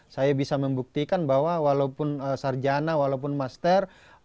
saya bisa membuktikan bahwa walaupun sarjana walaupun master